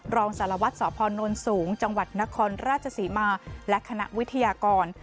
รองสารวัตรสพนสูงจังหวัดนครราชศรีมาและคณะวิทยากร